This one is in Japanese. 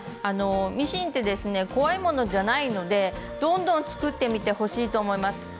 あのミシンってですね怖いものじゃないのでどんどん作ってみてほしいと思います。